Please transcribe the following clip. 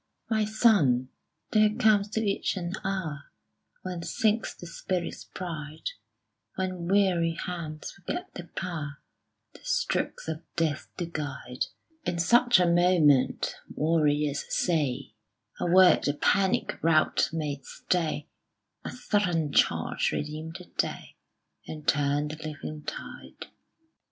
My son, there comes to each an hour When sinks the spirit's pride When weary hands forget their power The strokes of death to guide: In such a moment, warriors say, A word the panic rout may stay, A sudden charge redeem the day And turn the living tide.